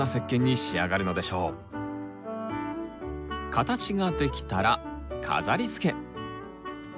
形が出来たら飾りつけ。